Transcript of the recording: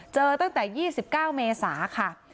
เจอตั้งแต่๒๙เมษาค่ะ